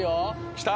来た！